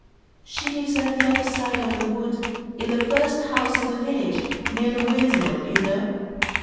'She lives at the other side of the wood, in the first house in the village, near the windmill, you know.